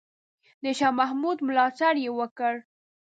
د شاه محمود ملاتړ یې وکړ.